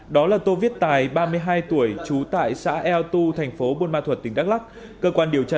đó là tô viết tài ba mươi hai tuổi chú tại xã eo tu thành phố bôn ma thuật tỉnh đắk lắk cơ quan điều tra